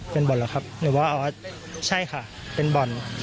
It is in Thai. เป็นบ่อนเหรอครับเดี๋ยวบอกว่าใช่ค่ะเป็นบ่อน